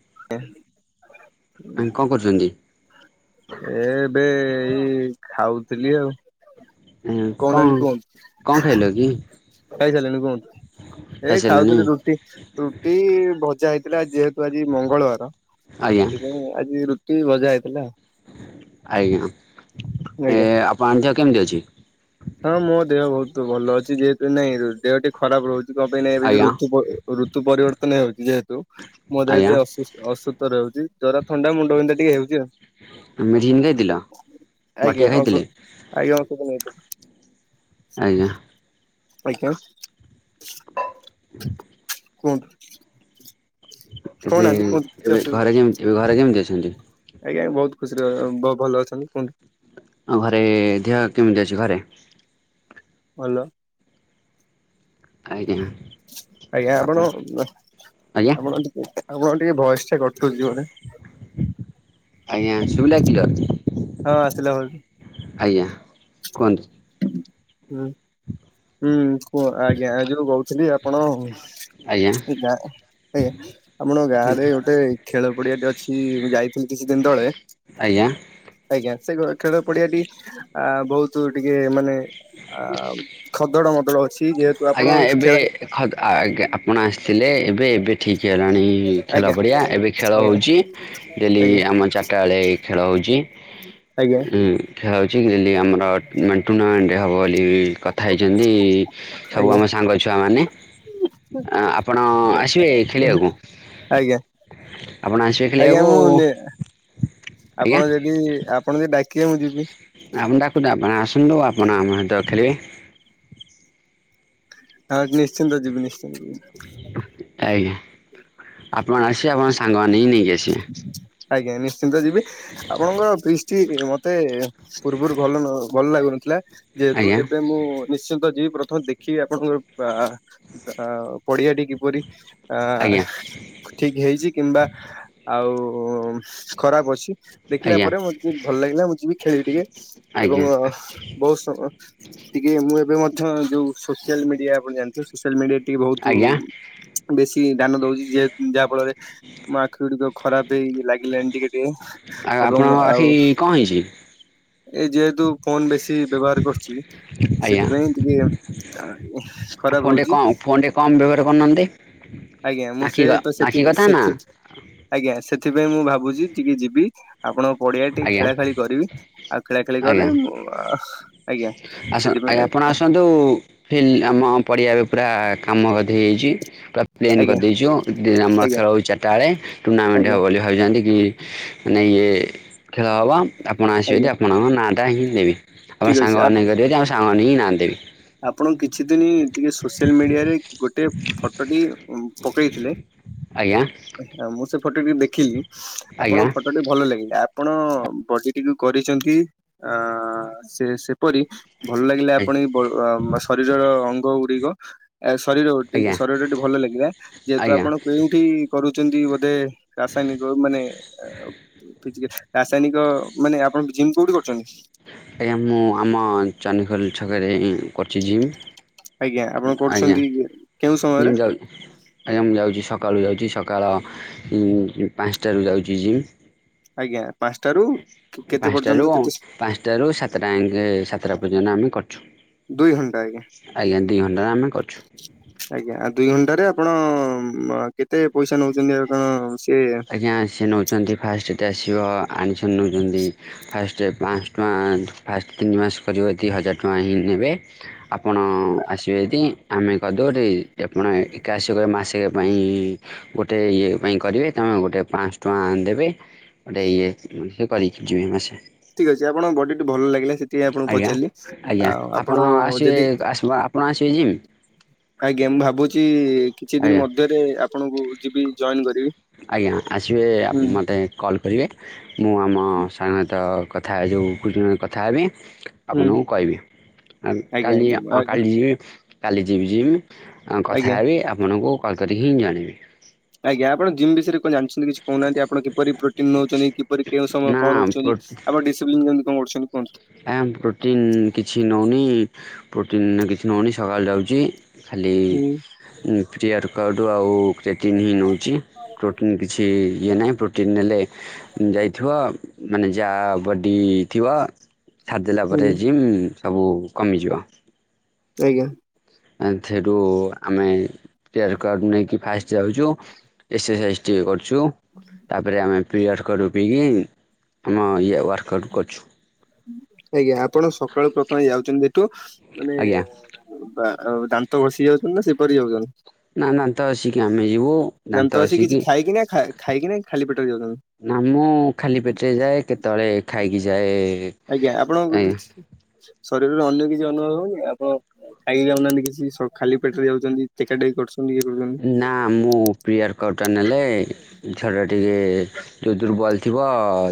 [unintelligible] ଆଁ କଣ କରୁଛନ୍ତି? ଏ ଏବେ ଏଇ ଖାଉଥିଲି ଆଉ। କହୁନାହାନ୍ତି କଣ କଣ ଖାଇଲ କି? ଖାଇସରିଲେଣୀ କୁହନ୍ତୁ। ଏ ଖାଇସାରିଲଣି? ଖାଉଥିଲି ରୁଟି ରୁଟି ଭଜା ହେଇଥିଲା ଯେହେତୁ ଆଜି ମଙ୍ଗଳବାର। ଆଜ୍ଞା ସେଥିପାଇଁ ଆଜି ରୁଟି ଭଜା ହେଇଥିଲା। ଆଜ୍ଞା ଏ ଆଜ୍ଞା ଆପଣ ଆଣି ଧିଅ କେମିତି ଅଛି? ହଁ ମୋ ଦେହ ବହୁତ ଭଲ ଅଛି ଯେହେତୁ ନାଇଁ ଦେହ ଟିକେ ଖରାପ ରହୁଛି। କହିବ ନାଁ ଏବେ ଯଉ ଆଜ୍ଞା ଋତୁ ଋତୁ ପରିବର୍ତ୍ତନ ହେଉଛି ଯେହେତୁ। ମୋ ଦେହ ଆଜ୍ଞା ଟିକେ ଅ ଅସୁସ୍ଥ ଅସୂତ ରହୁଛି ଜର ଥଣ୍ଡା ମୁଣ୍ଡ ବିନ୍ଧା ଟିକେ ହେଉଛି ଆଉ। ମେଡିସିନ ଖାଇଥିଲ? ବଟିକା ଆଜ୍ଞା ଖାଇଥିଲେ? ଔଷଧ ଆଜ୍ଞା ଔଷଧ ନେଇ। ଆଜ୍ଞା। ଆଜ୍ଞା [unintelligible] କୁହନ୍ତୁ। ଏବେ କହୁନାହାନ୍ତି କୁହନ୍ତୁ କିଛି ଏବେ ଅସୁବିଧା ଘରେ କେମିତି ଏ ଘରେ କେମତି? ଆଜ୍ଞା ବହୁତ ଖୁସିରେ ଭଲ ଅଛନ୍ତି କୁହନ୍ତୁ। ଆଉ ଘରେ ଦେହ କେମିତି ଅଛି ଘରେ? ହାଲୋ! ଆଜ୍ଞା। ଆଜ୍ଞା, ଆପଣ ବା ଆଜ୍ଞା ଆପଣ ଯଦି ଆପଣଙ୍କର ଟିକେ ଭଏସ୍ ଟା କଟୁଛି ବୋଧେ। ଆଜ୍ଞା, ଶୁଭିଲା କି? ହଁ, ଆସିଲା ବ ଆଜ୍ଞା କୁହନ୍ତୁ। ହୁଁ, ହୁଁ, କୁହ ଆଜ୍ଞା ଯୋଉ କହୁଥିଲି ଆପଣ ଆଜ୍ଞା। ଏ ଗାଁରେ ଆଜ୍ଞା, ଆପଣଙ୍କ ଗାଁରେ ଗୋଟେ ଖେଳ ପଡିଆଟି ଅଛି ମୁଁ ଯାଇଥିଲି କିଛି ଦିନ ତଳେ। ଆଜ୍ଞା। ଆଜ୍ଞା, ସେଇ ଗାଁ ଖେଳ ପଡିଆଟି ଆ ବହୁତ ଟିକେ ମାନେ ଆ ଖଦଡ ମଦଡ ଅଛି, ଯେହେ ଆଜ୍ଞା ଏବେ ଖଦ୍ ଆଜ୍ଞା ଆପଣ ଆସିଥିଲେ ଏବେ ଏବେ ଠିକ ଣି ଖେଳ ଆଜ୍ଞା ପଡ଼ିଆ ଏବେ ଖେଳ ଆଜ୍ଞା ହେଉଛି। ଡେଲି ଆଜ୍ଞା ଆମର ଚାରିଟା ବେଳେ ଖେଳ ହେଉଛି। ଆଜ୍ଞା ହୁଁ, ସେ ହ ଟି ଆମର ଟୁର୍ଣ୍ଣାମେଣ୍ଟ ହେବ ବୋଲି କଥା ହେଇଛନ୍ତି। ସବୁ ଆଜ୍ଞା ଆମ ସାଙ୍ଗ ଛୁଆମାନେ ଆପଣ ଆସିବେ ଖେଳିବାକୁ। ଆ ଆପଣ ଆସିବେ ଆଜ୍ଞା ଖେଳିବାକୁ ମୁଁ ନେ ଆଜ୍ଞା ଆପଣ ଯଦି ଆପଣ ଯଦି ଡାକିବେ ମୁଁ ଯିବି। ଆମେ ଡାକୁଚୁ ଆପଣ ଆସନ୍ତୁ ଆପଣ ଆମ ସହିତ ଖେଳିବେ। ହଁ ନିଶ୍ଚିନ୍ତ ଯିବି ନିଶ୍ଚିନ୍ତ ଯିବି। ଆଜ୍ଞା ଆପଣ ଆସିବେ ଆପଣ ସାଙ୍ଗମାନେ ହିଁ ନେଇକି ଆସିବେ ଆଜ୍ଞା ନିଶ୍ଚିନ୍ତ ଯିବି ଆପଣଙ୍କ ପ୍ରିସ୍ ଚି ମତେ ପୂର୍ବରୁ ଭଲ ନ ଭଲ ଲାଗୁନଥିଲା। ଯେହେତୁ ଆଜ୍ଞା ଏବେ ମୁଁ ନିଶ୍ଚିନ୍ତ ଯିବ୍ ପ୍ରଥମ ଦେଖିବି ଆପଣଙ୍କର ପା, ଆ, ପଡିଆ ଟି କିପରି। ଆ ଆଜ୍ଞା ଠିକ୍ ହେଇଛି କିମ୍ବା ଆଉ ଉ, ଖରାପ ଅଛି। ଦେଖିଲା ଆଜ୍ଞା ପରେ ମୋତ ଯଦି ଭଲ ଲାଗିଲା ମୁଁ ଯିବି ଖେଳିବି ଟିକେ ଏବଂ ଆଜ୍ଞା ବହୁତ ସମ ଟିକେ ମୁଁ ଏବେ ମଧ୍ୟ ଯୋଉ ସୋସିଆଲ ମିଡିଆ ଆପଣ ଜାଣିଥିବେ ସୋସିଆଲ ମିଡ଼ିଆ ଟିକେ ବହୁତ ଆଜ୍ଞା ବେଶୀ ଦାନ ଦଉଚି ଯେହେ ଯାହା ଫଳରେ ମୋ ଆଖି ଗୁଡିକ ଖରାପ ହେଇ ଲାଗିଲାଣି ଟିକେ ଟିକେ ଆଉ ଏବଂ ଆପଣଙ୍କ ଆଖି ଆଉ କଣ ହେଇଛି? ଏଇ ଯେହେତୁ ଫୋନ ବେଶୀ ବ୍ୟବହାର କରୁଚି। ଆଜ୍ଞା ସେଥିପାଇଁ ଟିକେ ଖରାପ ଫୋନ ଟେ ହଉଚି। କମ ଫୋନ ଟେ କମ ବ୍ୟବହାର କରୁନାହାନ୍ତି। ଆଜ୍ଞା ମୁଁ ଆଖି ସେ ତ ସେଠି ଆଖି କଥା ନା ସେଠି ଆଜ୍ଞା ଆଜ୍ଞା ସେଥିପାଇଁ ମୁଁ ଭାବୁଚି ଟିକେ ଯିବି। ଆପଣଙ୍କ ପଡ଼ିଆ ଟିକେ ଆଜ୍ଞା ଖେଳା ଖେଳି କରିବି ଆଉ ଖେଳା ଖେଳି କଲେ ଆଜ୍ଞା ମୁ ଆଜ୍ଞା ଆସ ସେଥି ଆଜ୍ଞା ଆପଣ ଆସନ୍ତୁ ଫିଲ୍ ଆମ ପଡ଼ିଆରେ ପୁରା କାମ ଅଧେ ହେଇଛି। ପୁରା ପ୍ଲେନ୍ ଆଜ୍ଞା କରିଦେଇଛୁ ଦ ଆମର ଆଜ୍ଞା ଖେଳ ହେଉଚି ଚାରିଟା ବେଳେ ଟୁର୍ଣ୍ଣାମେଣ୍ଟ ହେବ ଆଜ୍ଞା ବୋଲି ଭାବିଛନ୍ତି କି ମାନେ ଇଏ ଖେଳ ହେବ ଆପଣ ଆସିବେଯଦି ଆଜ୍ଞା ଆପଣଙ୍କ ନାଁଟା ହିଁ ଦେବି। ଆପଣ ଠିକ ଅଛି ସାଙ୍ଗମାନେ କରିବେ ଯଦି ଆପଣ ସାଙ୍ଗମାନେ ହିଁ ନାଦେବି। ଆପଣ କିଛି ଦିନ ଟିକେ ସୋସିଆଲ ମିଡ଼ିଆରେ ଗୋଟେ ଫଟୋ ଟି ପକେଇଥିଲେ। ଆଜ୍ଞା ମୁଁ ସେ ଫଟୋ ଟି ଦେଖିଲି ଆଜ୍ଞା ଆପଣଙ୍କ ଫଟୋ ଟି ଭଲ ଲାଗିଲା ଆ ଆପଣ ବଜିଟିକୁ କରିଚନ୍ତି ଆ ସେ ସେ ପରି ଭଲ ଲାଗିଲେ ଆପଣ ଏ ବା ଶରୀରର ଅଙ୍ଗ ଗୁଡ଼ିକ ଆ ଶରୀର ଗୋଟି ଆଜ୍ଞା ଶରୀର ଟି ଭଲ ଲାଗିଲା ଯେହେତୁ ଆଜ୍ଞା ଆପଣ କେଉଁଠି କରୁଛନ୍ତି ବୋ ଦେ ରାସାୟନିକ ମାନେ ରାସାୟନିକ ମାନେ ଆପଣ ଜିମ୍ କୋଉଠି କ ଆଜ୍ଞା ମୁଁ ଆମ ଚଣ୍ଟିଖୋଲ ଛକରେ କରିୁଛି ଆଜ୍ଞା ଆପଣ ଜିମ୍। ଆଜ୍ଞାା କରୁଛନ୍ତି କେଉଁ ସମୟରେ ଜିମ୍ ଯାଉଚି ଆଜ୍ଞା ମୁ ଯାଉଚି ସକ ସକାଳୁ ଯାଉଚି ସକାଳ ଉ, ପାଞ୍ଚଟାରୁ ଯାଉଚି ଜିମ୍। ଆଜ୍ଞା ପାଞ୍ଚଟାରୁ କେତେ ପାଞ୍ଚଟ ପର୍ଯ୍ୟନ୍ତ ର କେତେ ପାଞ୍ଚଟ ରୁ ସାତଟା ଆଙ୍କେ ସାତଟା ପର୍ଯ୍ୟନ୍ତ ଆମେ କରୁଛୁ। ଦୁଇ ଘଣ୍ଟା ଆଜ୍ଞା। ଆଜ୍ଞା ଦୁଇ ଘଣ୍ଟା ଆମେ କରୁଛୁ ଆଜ୍ଞା ଆଉ ଦୁଇ ଘଣ୍ଟାରେ ଆପଣ କେତେ ପଇସା ନଉଛନ୍ତି ଆଉ କଣ ସେ ଆଜ୍ଞା ସେ ନେଉଛନ୍ତି ଫାଷ୍ଟଟେ ଆସିବ ଆଣିଛନ୍ତି ନେଉଛନ୍ତି ଫାଷ୍ଟ ପାଞ୍ଚହ ଟଙ୍କା ଫାଷ୍ଟ ତିନି ମାସ କରିବ ଦୁଇ ହଜାର ଟଙ୍କା ହିଁ ନେବେ। ଆପଣ ଆସିବେ ଯଦି ଆମେ କରିଦବୁ ଆପଣ ଏକା ଆସିବେ କହିବେ ମାସେ ପାଇଁ ଗୋଟେ ଇଏ ପାଇଁ କରିବେ ତମେ ଗୋଟେ ପାଞ୍ଚହ ଟଙ୍କା ଆଣିଦେବେ। ଗୋଟେ ଇଏ ସେ କରିକିଯିବେ ମାସେ। ଠିକ୍ ଅଛି, ଆପଣଙ୍କ ବଡି ଟି ଭଲ ଲାଗି ଆଜ୍ଞା, ଆଜ୍ଞା, ଆପଣ ଆସିବେ, ଆପଣ ଆସିବେ ଯିବି। ଆଜ୍ଞା, ମୁଁ ଭାବୁଛି କିଛି ଦିନ ଆଜ୍ଞା ମଧ୍ୟରେ ଆପଣଙ୍କୁ ଯିବି ଜଏନ୍ କରିବି। ଆଜ୍ଞା, ଆସିବେ ହୁଁ। ମୋତେ କଲ୍ କରିବେ, ମୁଁ ଆମ ସାଙ୍ଗତ କଥା ଯେଉଁ, କଥା ହେବି। ହୁଁ ଆପଣଙ୍କୁ କହିବି, ଆଜ୍ଞା କାଲିଁ ଆଜ୍ଞା କାଲି ଯିବି କାଲି ଯିବି ଯିବି ହଁ ଆଜ୍ଞା। କଥା ହେବି, ଆପଣଙ୍କୁ କଲ୍ କରିକି ହିଁ ଜଣେଇବି ଆଜ୍ଞା, ଆପଣ ଜିମ୍ ବିଷ କଣ ଜାଣିଛନ୍ତି କିଛି କହୁନାହାନ୍ତି, ଆପଣ କିପରି ପ୍ରୋଟିନ ନଉଛନ୍ତି, କିପରି କେଉଁ ସମୟ ନା କଣ ରଖୁଛନ୍ତି, ଆପଣ ଡିସିପ୍ଲିନ୍ ଯେମତି କଣ କରୁଛନ୍ତି କୁହନ୍ତୁ? ଆ ପ୍ରୋଟିନ କିଛି ନଉନି, ପ୍ରୋଟିନ କିଛି ନଉନି, ସକାଳୁ ଯାଉଛି ଖାଲି ହୁଁ ପ୍ରିୟର ପକାଉଠୁ ଆଉ ପ୍ରେଟିନ୍ ହିଁ ନେଉଛି ପ୍ରୋଟିନ୍ କିଛି ଇଏ ନାହିଁ ପ୍ରୋଟିନ୍ ନେଲେ ଯାଇଥିବ, ମାନେ ଯା ବଡିଥିବ ଛାଦଦିଲା ପରେ ହୁଁ ଜିମ୍ ସବୁ କମିଯିବ। ଆଜ୍ଞା। ସେଠୁ, ଆମେ ପ୍ରି ୱର୍କ ନେଇକି ଫ ଯାଉଛୁ ଏକ୍ସରସାଇଜ ଟିକେ କରୁଛୁ, ତାପରେ ଆମେ ପ୍ରି ୱର୍କଆଉଟ୍ ରୋପିକି ଆମ ଇ ଆଜ୍ଞା, ଆପଣ ସକାଳୁ ପ୍ରଥମେ ଯାଉଛନ୍ତି ଭାରି ମାନେ ଆଜ୍ଞା ଦାନ୍ତ ଘଷି ଯାଉଛ ନା ସେପରି ଯାଉନ୍ତି। ନାଦନ୍ତ ଘସିକି ଆମେ ଦାନ୍ତ ଘଷିକି କିଛି ଖାଇକି ନା ଖାଇକିନା ଖାଲି ପେଟରେ ଯାଉଛନ୍ତି? ନା ମୁଁ ଖାଲି ପେଟରେ ଯାଏ, କେତେବେଳେ ଖାଇକି ଯାଏ। ଆଜ୍ଞା, ଆପଣଙ୍କ କିଛି ଶରୀରରେ ଅନ୍ୟ କିଛି ଅନୁଭବ ହଉନି, ଆପଣ ଖାଇକି ଯାଉନା କିଛି, ଖାଲି ପେଟରେ ଯାଉଛନ୍ତି, ଟେକାଟେକି କରୁଛନ୍ତି? ଇଏ କରୁଛନ୍ତି ନା ମୁଁ ପ୍ରି ୱର୍କଆଉଟ୍ ଟା ନେଲେ ଝର ଟିକେ ଯୋଉ ଦୁର୍ବଳ ଥିବ,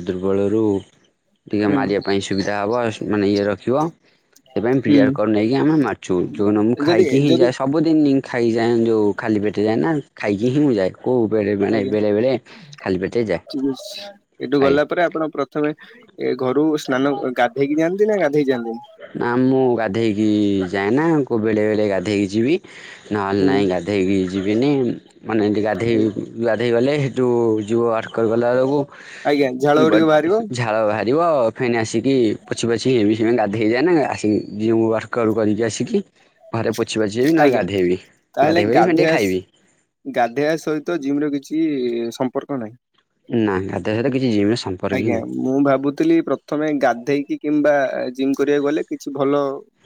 ଦୁର୍ବଳରୁ ଟିକେ ହୁଁ ମାରିବା ପାଇଁ ସୁବିଧା ହବ, ମାନେ ଇଏ ରଖିବ। ସେ ପାଇଁ ପ୍ରି ହୁଁ ୱର୍କଆଉଟ୍ ନେଇକି ଆମ ମ ମାରୁଛୁ, ଯୋ ମୁଁ ଯଦି ଖାଇକି ହିଁ ଯଦି ଯାଏ ସବୁଦିନ ଖାଇଯାଏ ଯେଉଁ ଖାଲି ପେଟେ ଯାଏ ନା, ଖାଇକି ହିଁ ମୁଁ ଯାଏ। କୋଉ ବେଳେ ମାନେ ଆଜ୍ଞା ବେଳେ ବେଳେ ଖାଲି ପେଟେ ଠିକ ଯାଏ, ଅଛି ଏଠୁ ଗଲା ଆଜ୍ଞା। ପରେ ଆପଣ ପ୍ରଥମେ ଏ ଘରୁ ସ୍ନାନ, ଗାଧେଇକି ଯାଆନ୍ତି ନା ଗାଧେଇ ଯାଆନ୍ତିନି? ନା ମୁଁ ଗାଧେଇକି ଯାଏ ନା, କୋଉ ବେଳେ ବେଳେ ଗାଧେଇକି ଯିବି। ନହେଲେ ହୁଁ ନାହିଁ ଗାଧୋଇକି ଯିବିନି। ମାନେ ଏନ୍ତି ଗାଧୋଇ, ଗାଧୋଇ ଗଲେ ସେଠୁ ଯିବ ଆର କରିର ଗଲା ଆଜ୍ଞା ଝାଳ ଗୁଡିକ ବେଳକୁ ବାହାରିବ ଝାଳ ବାହାରିବ ଫେନ ଆସିକି ପୋଛି ପଛି ସେ ଗା ଧେ ଯାଏନା ଆସିକି ଜିମ ରୁ ୱର୍କଆଉଟ୍ କର କରିକି ଆସିକି ଘରେ ପୋଛି ପାଛି ବି ନହଲେ ଆଜ୍ଞା ଗାଧେଇବି, ତାହେଲେ ଗାଧେଇ ପଡିକି କଣ ଟିକେ ଗାଧେଇବା ଖାଇବି। ଜିମ ର କିଛି ସମ୍ପର୍କ ନାହିଁ। ନାଇଁ ଗାଧେଇବା ସହିତ କିଛି ଜିମ ର ସମ୍ପର୍କ ହିଁ ଆଜ୍ଞା, ନାହିଁ। ମୁଁ ଭାବୁଥିଲି ପ୍ରଥମେ ଗାଧେଇକି କିମ୍ବା ଜିମ୍ କରିବାକୁ ଗଲେ କିଛି ଭଲ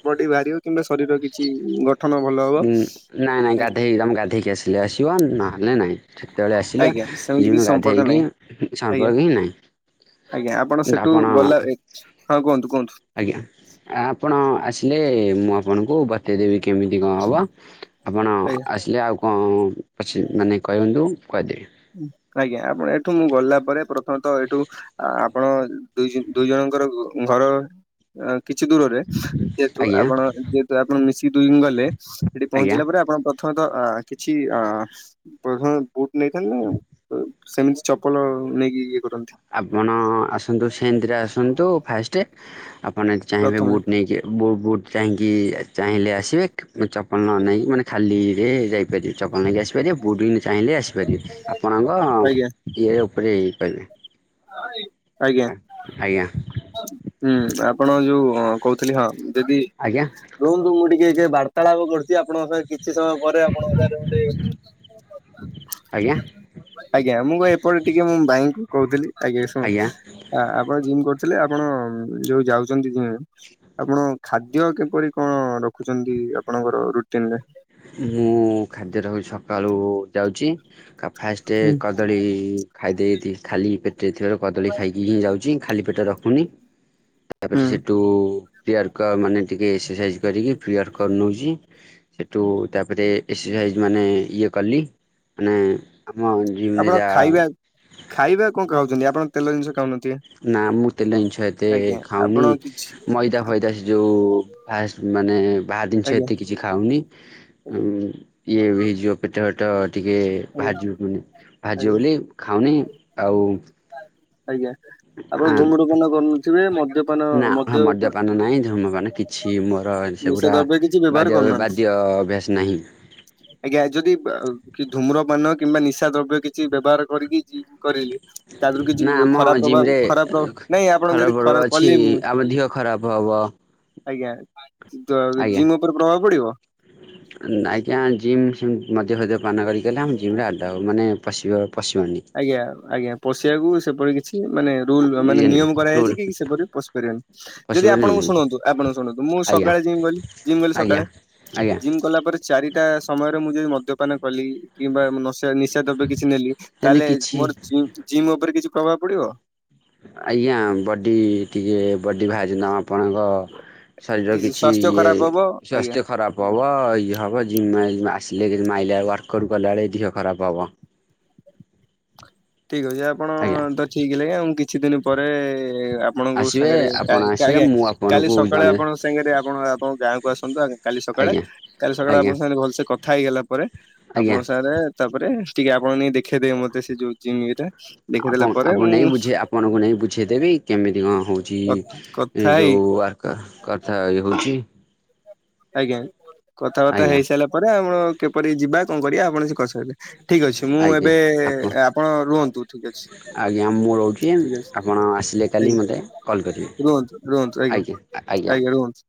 ବଡି ବାହାରିବ। କିମ୍ବା ଶରୀର କିଛି ଗଠନ ଭଲ ହବ, ନାଇଁ ନାଇଁ ଗାଧେଇ ଆଜ୍ଞା। ତମେ ଗାଧେଇକି ଆସିଲେ ଆସିବ ନହେଲେ ନାହିଁ ସେତେବେଳେ ଆସିଲ ଆଜ୍ଞା ସେମିତି କିଛି ଜିମି ସମ୍ପର୍କ ଗାଧୋଇକି ନାହିଁ ଆଜ୍ଞା ସମ୍ପର୍କ ହିଁ ନାହିଁ। ଆଜ୍ଞା ଆପଣ ସେଠୁ ଗଲା, ହଁ କୁହନ୍ତୁ କୁହନ୍ତୁ? ଆଜ୍ଞା, ଆପଣ ଆସିଲେ ମୁଁ ଆପଣଙ୍କୁ ବତେଇଦେବି। କେମିତି କଣ ହେବ, ଆପଣ ଆଜ୍ଞା ଆସିଲେ ଆଉ କଣ ପଛି ମାନେ କହନ୍ତୁ କହିଦେବି। ଆଜ୍ଞା, ଆପଣ ଏଠୁ ମୁଁ ଗଲା ପରେ, ପ୍ରଥମେ ଏଇଠୁ ଆ ଆପଣ ଦୁଇ ଦୁଇ ଜଣଙ୍କର ଘର କିଛି ଦୂରରେ ଯେହେତୁ ଆଜ୍ଞା। ଆପଣ ଯେହେତୁ ଆପଣ ମିଶିକି ଦୁଇ ଗଲେ ସେଠି ଆଜ୍ଞା ପହଞ୍ଚିଲା ପରେ ଆପଣ ପ୍ର [unintelligible] କିଛି ଅ ପ୍ରଥମେ ବୁଟ ନେଇଥାନ୍ତ ନା? ସେମିତି ଚପଲ ନେଇକି ଇଏ କରୁ‌। ଆପଣ ଆସନ୍ତୁ ସେମିତିରେ ଆସନ୍ତୁ ଫାଷ୍ଟେ। ଆପଣ ଯଦି ଚାହିଁବେ ପ୍ରଥମେ ବୁଟ୍ ନେଇକି ବୁଟ୍ ବୁଟ୍ ଚାହିଁ କି ଚାହିଁଲେ ଆସିବେ ମୁଁ ଚପଲ ନ ନେଇକି ମାନେ ଖାଲିରେ ଯାଇ ପାରିବେ ଚପଲ ନେଇକି ଆସିପାରିବେ ବୁଟ୍ ଚାହିଁଲେ ଆସିପାରିବେ ଆପଣଙ୍କ ଆଜ୍ଞା ଇଏ ଉପରେ ଇଏ କରିବେ। [unintelligible] ଆଜ୍ଞା। ହୁଁ ଆପଣ ଯୋଉ କହୁଥିଲି ହଁ ଯଦି ଆଜ୍ଞା ରୁହନ୍ତୁ ମୁଁ ଟି ଟିକେ ବାର୍ତ୍ତାଳାପ କରୁଛି ଆପଣଙ୍କ ସହ କିଛି ସମୟ ପରେ ଆପଣଙ୍କ ସହ ଗୋଟେ ଆଜ୍ଞା। ଆଜ୍ଞା ମୁଁ ଏପଟେ ଟିକେ ମୁଁ ଭାଇଙ୍କୁ କହୁଥିଲି ଆଜ୍ଞା ଶୁଣ ଆପଣ ଜିମ୍ କ ଥିଲେ ଆପଣ ଯୋଉ ଯାଉଛନ୍ତି ଜିମ୍ ଆପଣ ଖାଦ୍ୟ କିପରି କଣ ରଖୁଛନ୍ତି? ଆପଣଙ୍କର ରୁଟିନ୍ ରେ। ମୁଁ ଖାଦ୍ୟ ରହୁ ସକାଳୁ ଯାଉଛି। ଫାଷ୍ଟେ ହୁଁ କଦଳୀ ଖାଇଦେଇ ଖାଲି ପେଟରେ ଥିବାରୁ କଦଳୀ ଖାଇକି ହିଁ ଯାଉଚି। ଖାଲି ପେଟ ରଖୁନି ହୁଁ। ତାପରେ ସେଠୁ ପ୍ରିୟର କର ମାନେ ଟିକେ ଏକ୍ସରସାଇଜ୍ କରିକି ପ୍ରିୟର କର ନଉଛି। ହେଠୁ ତାପରେ ଏକ୍ସରସାଇଜ୍ ମାନେ ଇଏ କଲି ମାନେ ଆମ ଜିମରେ ଆପଣ ଯାହା ଖାଇବା ଖାଇବା କଣ ଖାଉଛନ୍ତି ଆପଣ ତେଲ ଜିନିଷ ଖାଉନାହା ନା ମୁଁ ତେଲ ଜିନିଷ ଏତେ ଖାଉନି ଆପଣ କିଛି ମଇଦା ଫଇଦା ଯୋଉ ଫାସ ମାନେ ବା ଜିନିଷ ଆଜ୍ଞା ଏତେ କିଛି ଖାଉନି ଉଁ ଆଜ୍ଞା ଇଏ ହେଇଯିବ ପେଟ ତ ଟିକେ ବାହାରିଯିବ ବାହାରିଯିବ ଆଜ୍ଞା ବୋଲି ଖାଉନି ଆଉ। ଆଜ୍ଞା ଆପଣ ଧୂମ୍ରପାନ କରୁନଥିବେ ମଦ୍ୟପାନ ମଦ୍ୟପା ଛି ମୋର ସେଗୁଡା଼ ବ୍ୟବହାର ବାଦ୍ୟ କରୁନାହାନ୍ତି। ବାଦ୍ୟ ଅଭ୍ୟାସ ନାହିଁ। ଆଜ୍ଞା ଯଦି କି ଧୂମ୍ରପାନ କିମ୍ବା ନିଶା ଦ୍ରବ୍ୟ କିଛି ବ୍ୟବହାର କରିକି କରିଲି ତା ଦେରୁ ନା କିଛି ଆମ ଖରାପ ଜିମ୍ ପ୍ରଭାବ ରେ ଖରାପ ପ୍ରଭାବ ନାଇଁ ଆପଣ ଯଦି ପର୍ବ ଖରାପ ଅଛି କଲି ମୁଁ। ଆମ ଦିହ ଖରାପ ହବ। ଆଜ୍ଞା ତ ଜିମ୍ ଉପରେ ପ୍ରଭାବ ପଡିବ। ନା ଆଜ୍ଞା ଜିମ୍ ସେମ ମଦ୍ୟ ଫଦ୍ୟପାନ କରିକି ଗଲେ ଆମେ ଜିମରେ ଆଲାଉ ମାନେ ପଶିବା ଆଜ୍ଞା ଆଜ୍ଞା ପଶିବାକୁ ସେପରି କିଛି ମାନେ ରୁଲ ମାନେ ଇଏ ନାହିଁ ନିୟମ କରାଯାଇଛି ରୁଲ୍ କି ସେପରି ପଶି ପାରିବନି ଯଦି ପଶିବନି ଆପଣଙ୍କୁ ଶୁଣନ୍ତୁ ଆପ ଶୁଣନ୍ତୁ ମୁଁ ଆଜ୍ଞା ସକାଳେ ଜିମ୍ ଗଲି ଜିମ୍ ଗଲି ଆଜ୍ଞା ସକାଳେ। ଆଜ୍ଞା। ଜିମ୍ କଲା ପରେ ଚାରିଟା ସମୟରେ ମୁଁ ଯଦି ମ ଦ୍ୟ ପାନ କଲି କିମ୍ବା ନ ନିଶା ଦ୍ରବ୍ୟ କିଛି ନେଲି ସେମିତି ତାହେଲେ କିଛି ମୋର ଜିମ୍ ଜିମ୍ ଉପରେ ଉପରେ କିଛି ପ୍ରଭାବ ପଡ଼ିବ? ଆଜ୍ଞା ବଡ଼ି ଟିକେ ବଡ଼ି ବାହାରିଛନ୍ତି ଅ ଆପଣଙ୍କ ଶରୀର କିଛି ସ୍ୱାସ୍ଥ୍ୟ ଇଏ ଖରାପ ହବ ଆଜ୍ଞା। ସ୍ୱାସ୍ଥ୍ୟ ଖରାପ ହବ ଇଏ ହବ ଜିମ୍ ମ ଆସିଲେ କି ମାଇଲା ବେଳୁ ୱାର୍କ ଆଉଟ କଲାବେଳେ ଦେହ ଖରାପ ହବ। ଠିକ୍ ଅଛି ଆପଣ ଆଜ୍ଞା ତ ଠିକ୍ ଲାଗେ ଆ ମୁଁ କିଛି ଦିନ ପରେ ଆପଣଙ୍କୁ ଆସିବେ ସାଙ୍ଗରେ ଆ ଆପଣ ଆସିବେ ଆଜ୍ଞା ମୁଁ କାଲି ଆପଣଙ୍କୁ ସକାଳେ ଜଣେ ଆପଣଙ୍କ ସାଙ୍ଗରେ ଆପଣ ଆପଣଙ୍କ ଗାଁ କୁ ଆସନ୍ତୁ ଆ କାଲି ସକାଳେ ଆଜ୍ଞା କାଲି ସକାଳେ ଆଜ୍ଞା ଆପଣଙ୍କ ସାଙ୍ଗ ଭଲସେ କଥା ହେଇଗଲା ପରେ ଆଜ୍ଞା ଆପଣଙ୍କ ସାଙ୍ଗରେ ତାପରେ ଟିକେ ଆପଣ ନେଇ ଦେଖେଇଦେବେ ମୋତେ ସେ ଯଉ ଜିମ ଇଏ ଟା। ଆପଣ ଆପଣ ନେଇ ବୁଝେଇ ଆପଣଙ୍କୁ ନେଇ ବୁଝେଇଦେବି କେମିତି କଣ ହଉ ଚି କ ଏ କଥା ହେଇ ଯୋଉ ୱାର୍କ କଥା ଇଏ ହଉଛି। ଆଜ୍ଞା କଥାବାର୍ତ୍ତା ଆଜ୍ଞା ହେଇ ସାରିଲା ପରେ ଆମର କିପରି ଯିବା କଣ କରିବା ଆପଣ ସେ କରିସାରିଲେ। ଠିକ୍ ଅଛି ମୁଁ ଏବେ ଆପଣ ରୁହନ୍ତୁ ଠିକ୍ ଅଛି। ଆଜ୍ଞା ମୁଁ ରହୁଛି ଠିକ ଅଛି ଆପଣ ଆସିଲେ କାଲି ଆଜ୍ଞା ମୋତେ କଲ୍ କରିବେ ରୁହନ୍ତୁ ରୁହନ୍ତୁ ଆଜ୍ଞା ଆଜ୍ଞା ରୁହନ୍ତୁ।